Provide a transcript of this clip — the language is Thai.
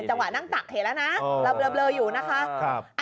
จังหวะนั่งตักเห็นแล้วนะเราเบลออยู่นะคะ